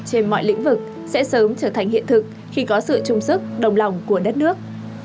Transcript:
trên mọi lĩnh vực sẽ sớm trở thành hiện thực khi có sự trung sức đồng lòng của đất nước